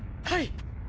はい！